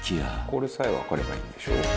「これさえわかればいいんでしょ？」